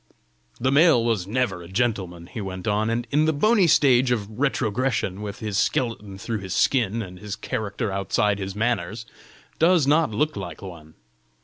"The male was never a gentleman," he went on, "and in the bony stage of retrogression, with his skeleton through his skin, and his character outside his manners, does not look like one.